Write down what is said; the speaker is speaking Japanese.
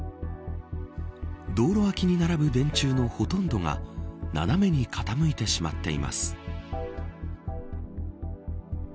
道路脇に並ぶ電柱のほとんどが斜めに傾いてしまっています。